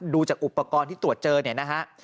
ดูจากอุปกรณ์ที่ตรวจเจอเนี่ยนะฮะ